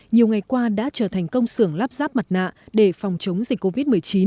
nhiều ngày qua đã trở thành công xưởng lắp ráp mặt nạ để phòng chống dịch covid một mươi chín